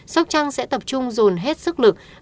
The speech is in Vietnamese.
sóc trăng sẽ tập trung dồn hết sức lực